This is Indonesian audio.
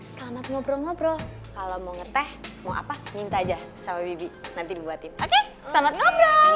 selamat ngobrol ngobrol kalau mau ngeteh mau apa minta aja sama bibi nanti dibuatin oke selamat ngobrol